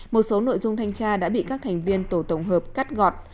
một số nội dung thanh tra đã bị các thành viên tổ tổng hợp cắt gọt